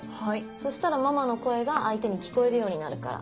そしたらママの声が相手に聞こえるようになるから。